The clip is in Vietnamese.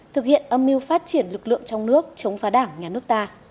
thực hiện âm mưu phát triển lực lượng trong nước chống phá đảng nhà nước ta